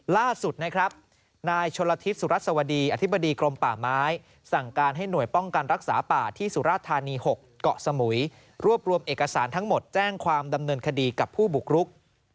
ล่าสุดนะครับนายชนละทิศสุรัสวดีอธิบดีกรมป่าไม้สั่งการให้หน่วยป้องกันรักษาป่าที่สุราธานี๖เกาะสมุยรวบรวมเอกสารทั้งหมดแจ้งความดำเนินคดีกับผู้บุกรุก